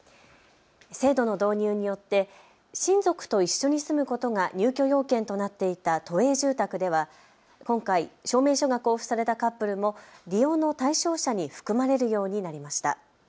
制度の導入によって親族と一緒に住むことが入居要件となっていた都営住宅では今回、証明書が交付されたカップルも利用の対象者に含まれるようになりました。